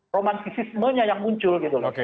romantisismenya yang muncul